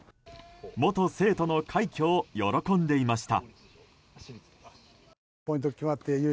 元生徒の快挙を喜んでいました。